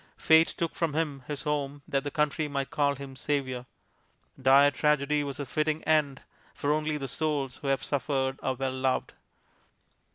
Fate took from him his home that the country might call him savior. Dire tragedy was a fitting end; for only the souls who have suffered are well loved.